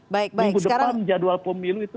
minggu depan jadwal pemilu itu